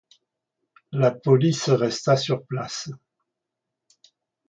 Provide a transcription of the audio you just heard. La police resta sur place.